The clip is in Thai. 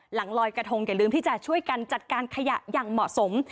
ลอยกระทงอย่าลืมที่จะช่วยกันจัดการขยะอย่างเหมาะสม